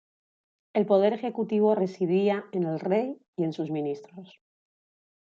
El poder ejecutivo residía en el rey y en sus ministros.